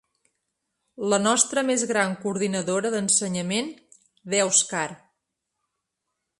La nostra més gran coordinadora d’ensenyament d’èuscar.